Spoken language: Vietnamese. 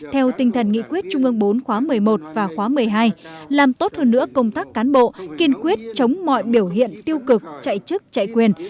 theo tinh thần nghị quyết trung ương bốn khóa một mươi một và khóa một mươi hai làm tốt hơn nữa công tác cán bộ kiên quyết chống mọi biểu hiện tiêu cực chạy chức chạy quyền